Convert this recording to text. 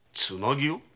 つなぎを！？